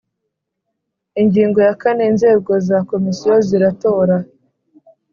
Ingingo ya kane Inzego za Komisiyo ziratora